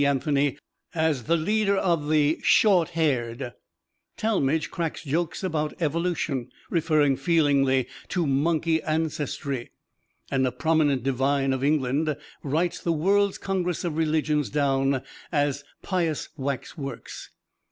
Anthony as the leader of "the short haired"; Talmage cracks jokes about evolution, referring feelingly to "monkey ancestry"; and a prominent divine of England writes the World's Congress of Religions down as "pious waxworks."